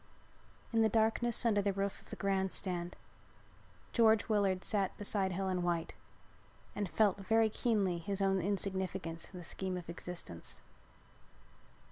In the darkness under the roof of the grand stand, George Willard sat beside Helen White and felt very keenly his own insignificance in the scheme of existence.